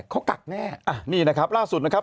เขากักแน่นี่นะครับล่าสุดนะครับ